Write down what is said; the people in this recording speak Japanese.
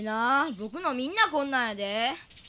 僕のみんなこんなやで。